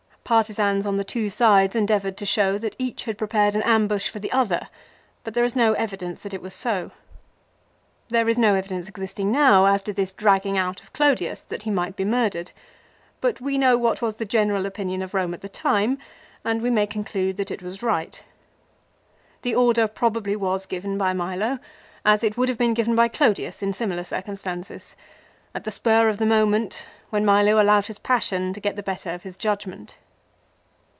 Partisans on the two sides endeavoured to show that each had prepared an ambush for the other ; but there 70 LIFE OF CICERO. is no evidence that it was so. There is no evidence existing now as to this dragging out of Clodius that he might be murdered; but we know what was the general opinion of Koine at the time and we may conclude that it was right. The order probably was given by Milo, as it would have been given by Clodius in similar circumstances, at the spur of the moment, when Milo allowed his passion to get the better of his judgment.